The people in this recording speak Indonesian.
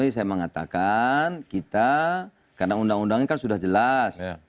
saya mengatakan kita karena undang undangnya kan sudah jelas